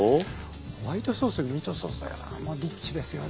ホワイトソースにミートソースだからもうリッチですよね。